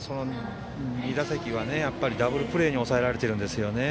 その前はダブルプレーに抑えられているんですね。